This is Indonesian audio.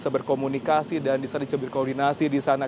berkomunikasi dan bisa dicebir koordinasi di sana